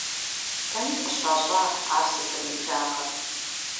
Дэнэ къыщащӀа ар сызэриблагъэр?